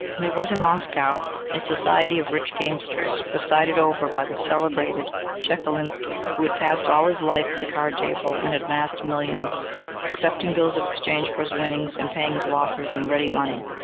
There was in Moscow a society of rich gamesters, presided over by the celebrated Chekalinsky, who had passed all his life at the card table and had amassed millions, accepting bills of exchange for his winnings and paying his losses in ready money.